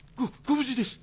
無事です。